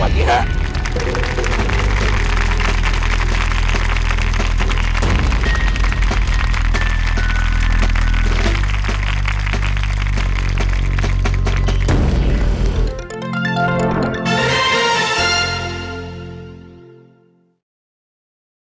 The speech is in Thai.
โปรดติดตามตอนต่อไป